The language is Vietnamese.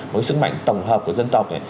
một cái sức mạnh tổng hợp của dân tộc